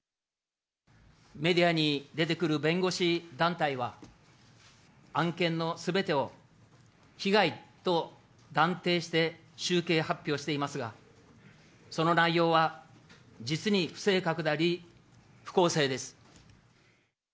メディアに出てくる弁護士団体は、案件のすべてを被害と断定して集計、発表していますが、その内容は実に不正確であり、不公正です。